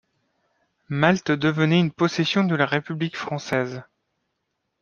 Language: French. Malte devenait une possession de la République française.